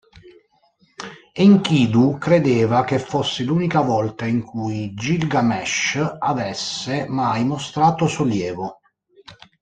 Enkidu credeva che fosse l'unica volta in cui Gilgamesh avesse mai mostrato sollievo.